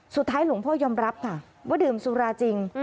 สุดท้ายหลวงพ่อยอมรับค่ะว่าดื่มสุราจริง